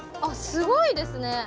あすごいですね。